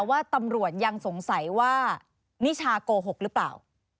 ว่าตำรวจยังสงสัยว่านิชาโกหกหรือเปล่า